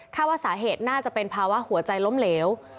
ว่าสาเหตุน่าจะเป็นภาวะหัวใจล้มเหลว